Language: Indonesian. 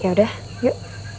ya udah yuk